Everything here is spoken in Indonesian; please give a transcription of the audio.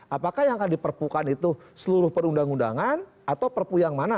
apakah yang akan diperpukan itu seluruh perundang undangan atau perpu yang mana